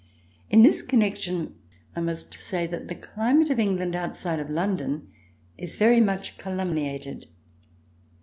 In this connection, I must say that the climate of England, outside of London, is very much calumniated.